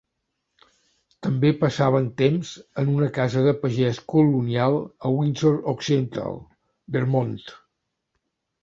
També passaven temps en una casa de pagès colonial a Windsor Occidental, Vermont.